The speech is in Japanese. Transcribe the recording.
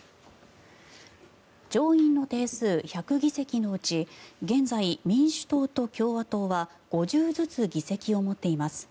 上院の定数１００議席のうち現在、民主党と共和党は５０ずつ議席を持っています。